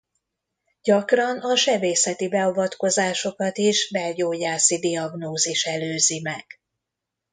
Gyakran a sebészeti beavatkozásokat is belgyógyászi diagnózis előzi meg.